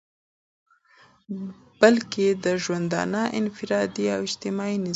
بلكي دژوندانه انفرادي او اجتماعي نظام دى